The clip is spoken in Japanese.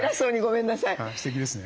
すてきですね。